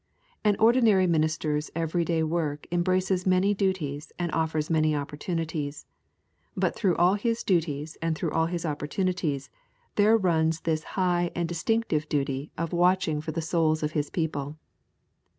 An ordinary minister's everyday work embraces many duties and offers many opportunities, but through all his duties and through all his opportunities there runs this high and distinctive duty of watching for the souls of his people.